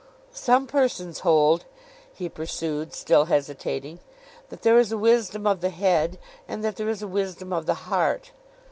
'Some persons hold,' he pursued, still hesitating, 'that there is a wisdom of the Head, and that there is a wisdom of the Heart.